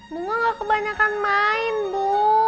bunga gak kebanyakan main bu